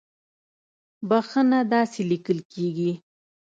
بخښنه داسې ليکل کېږي